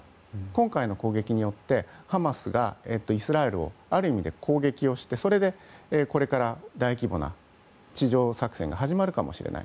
今回の砲撃によってハマスがイスラエルをある意味で攻撃をしてこれから大規模な地上作戦が始まるかもしれない。